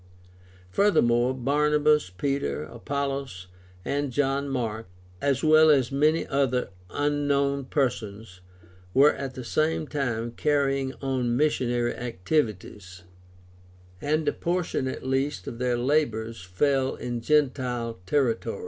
Furthermore, Barnabas, Peter, Apollos, and John Mark, as well as many other unknown persons, were at the same time carrying on missionary activities, and a portion at least of their labors fell in gentile territory.